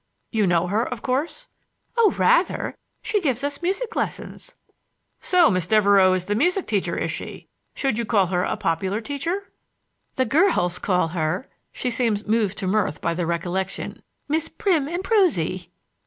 "You know her, of course." "Oh, rather! She gives us music lessons." "So Miss Devereux is the music teacher, is she? Should you call her a popular teacher?" "The girls call her"—she seemed moved to mirth by the recollection—"Miss Prim and Prosy."